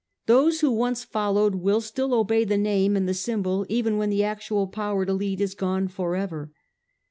Those who once followed, will still obey the name and the symbol even when the actual power to lead is gone for ever.